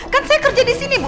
kan saya kerja disini bu